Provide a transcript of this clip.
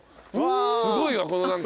すごいわこの何か。